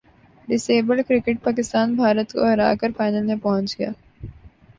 ڈس abled cricket Pakistan Bharat کو ہراکر final میں پہنچ گیا